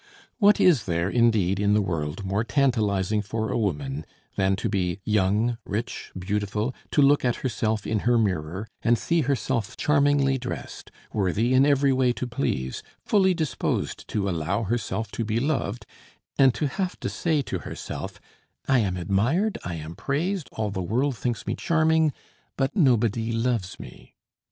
What is there, indeed, in the world, more tantalizing for a woman than to be young, rich, beautiful, to look at herself in her mirror and see herself charmingly dressed, worthy in every way to please, fully disposed to allow herself to be loved, and to have to say to herself: "I am admired, I am praised, all the world thinks me charming, but nobody loves me.